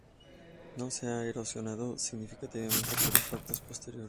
No se ha erosionado significativamente por impactos posteriores.